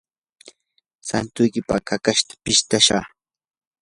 santuykipaq kakashta pistashaq.